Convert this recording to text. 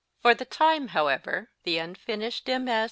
For the time, however, the unfinished MS.